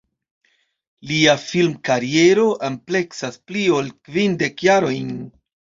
Lia film-kariero ampleksas pli ol kvindek jarojn.